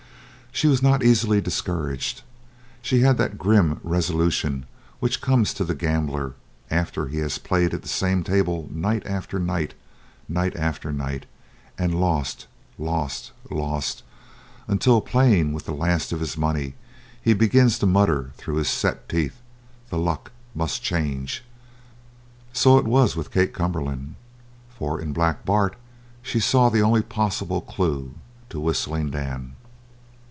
She was not easily discouraged. She had that grim resolution which comes to the gambler after he has played at the same table night after night, night after night, and lost, lost, lost, until, playing with the last of his money, he begins to mutter through his set teeth: "The luck must change!" So it was with Kate Cumberland. For in Black Bart she saw the only possible clue to Whistling Dan.